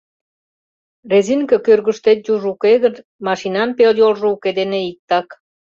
Резинке кӧргыштет юж уке гын, машинан пел йолжо уке дене иктак.